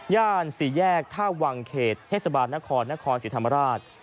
สี่แยกท่าวังเขตเทศบาลนครนครศรีธรรมราช